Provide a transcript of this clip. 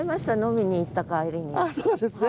あっそうですね。